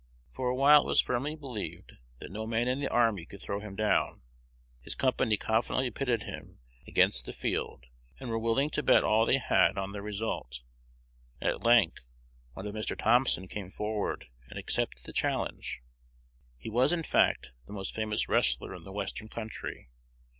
For a while it was firmly believed that no man in the army could throw him down. His company confidently pitted him "against the field," and were willing to bet all they had on the result. At length, one Mr. Thompson came forward and accepted the challenge. He was, in fact, the most famous wrestler in the Western country.